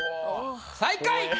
最下位。